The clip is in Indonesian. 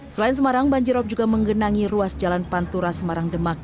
selain semarang banjirop juga menggenangi ruas jalan pantura semarang demak